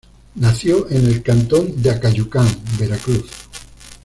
Nació en el cantón de Acayucan, Veracruz.